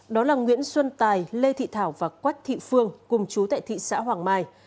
đó là nguyễn xuân tài lê thị thảo và quách thị phương cùng chú tại thị xã hoàng mai